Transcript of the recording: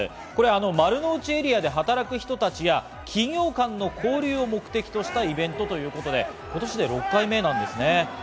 丸の内エリアで働く人たちや企業間の交流を目的としたイベントということで、今年で６回目です。